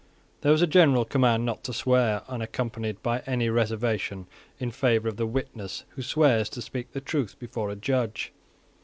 There was a general command not to swear, unaccompanied by any reservation in favour of the witness who swears to speak the truth before a judge.